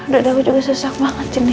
dada aku juga susah banget cini